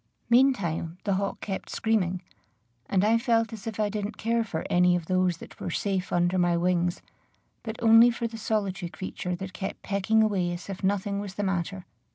Meantime the hawk kept screaming; and I felt as if I didn't care for any of those that were safe under my wings, but only for the solitary creature that kept pecking away as if nothing was the matter.